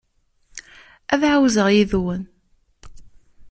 Ad ɛawzeɣ yid-wen.